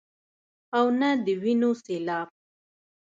او نۀ د وينو سيلاب ،